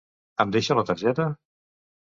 Em deixa la targeta.?